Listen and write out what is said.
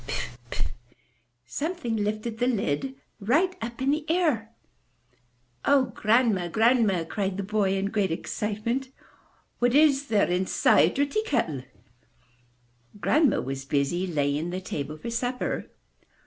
S s s! S s s! Piff! Piff! Piff! something lifted the lid right up in the air! '*0 Grandma! Grandma! cried the boy in great excitement. 'What is there inside of your tea kettle?*' Grandma was busy laying the table for supper.